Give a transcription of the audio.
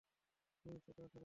Please, এটা সরাও।